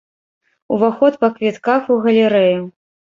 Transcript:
Уваход па квітках у галерэю.